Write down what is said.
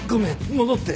戻って。